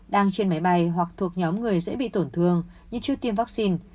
đang trên máy bay hoặc thuộc nhóm người dễ bị tổn thương như chưa tiêm vaccine